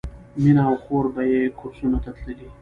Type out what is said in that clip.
مینه او خور به یې کورسونو ته تللې